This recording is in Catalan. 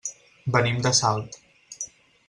Venim de Salt.